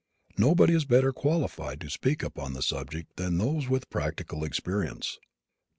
Nobody is better qualified to speak upon the subject than those with practical experience. Dr.